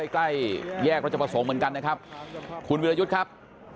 ใกล้แยกรัชประสงค์เหมือนกันนะครับคุณวิรยุทธ์ครับ